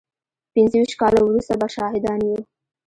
پينځه ويشت کاله وروسته به شاهدان يو.